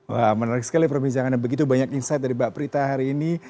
wah menarik sekali prof hizangana begitu banyak insight dari mbak prita hari ini